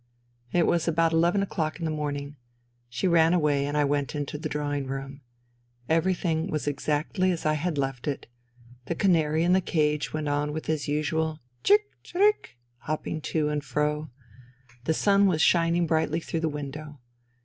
It was about eleven o'clock in the morning. She ran away, and I went into the drawing room. Every thing was exactly as I had left it. The canary ir the cage went on with his usual " Chic !.. cherric !..." hopping to and fro. The sun was shining brightly through the window.